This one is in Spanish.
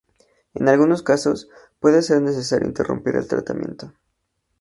En algunos casos, puede ser necesario interrumpir el tratamiento.